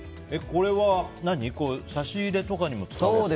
これは差し入れとかにも使ってるの？